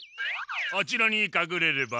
あちらにかくれれば？